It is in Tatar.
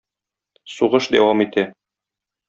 Сугыш дәвам итә.